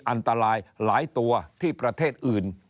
อันตรายหลายตัวที่ประเทศอื่น